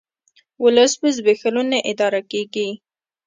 ولس په زبېښولو نه اداره کیږي